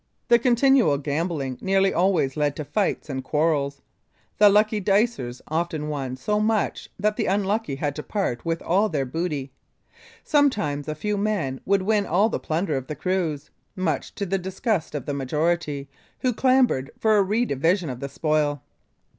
The continual gambling nearly always led to fights and quarrels. The lucky dicers often won so much that the unlucky had to part with all their booty. Sometimes a few men would win all the plunder of the cruise, much to the disgust of the majority, who clamored for a redivision of the spoil.